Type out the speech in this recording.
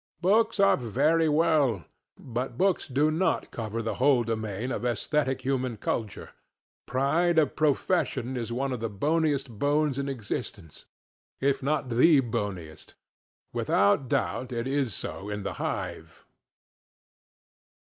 Books are very well, but books do not cover the whole domain of esthetic human culture. Pride of profession is one of the boniest bones in existence, if not the boniest. Without doubt it is so in the hive.